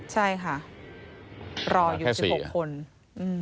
ใช่ค่ะรออยู่๑๖คน